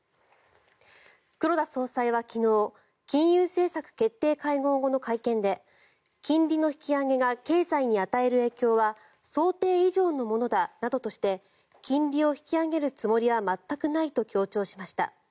黒田総裁は昨日金融政策決定会合後の会見で金利の引き上げが経済に与える影響は想定以上のものだなどとして金利を引き上げるつもりは全くないと強調しました。